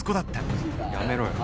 やめろよ。